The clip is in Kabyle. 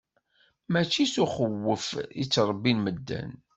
Mačči s uxewwef i ttṛebbin medden.